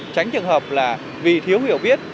tránh trường hợp là vì thiếu hiểu biết